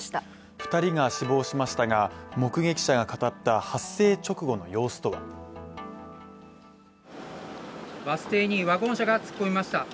２人が死亡しましたが、目撃者が語った発生直後の様子とはバス停にワゴン車が突っ込みました。